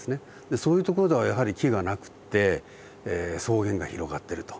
そういう所ではやはり木がなくって草原が広がってると。